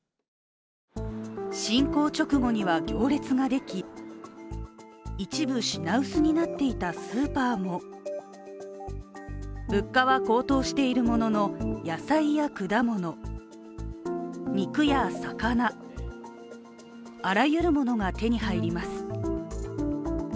侵攻直後には行列ができ一部品薄になっていたスーパーも物価は高騰しているものの、野菜や果物、肉や魚、あらゆるものが手に入ります。